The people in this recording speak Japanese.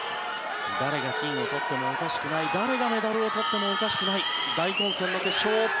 誰が金を取ってもおかしくない誰がメダルを取ってもおかしくない大混戦の決勝。